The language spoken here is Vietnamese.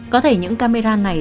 có thể những camera này